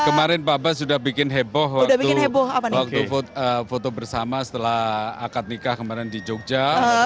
kemarin pak bas sudah bikin heboh waktu bersama setelah akad nikah kemarin di jogja